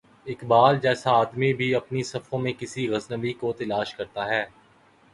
اقبال جیسا آدمی بھی اپنی صفوں میں کسی غزنوی کو تلاش کرتا ہے۔